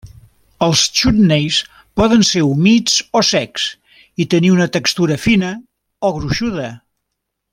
Els chutneys poden ser humits o secs i tenir una textura fina o gruixuda.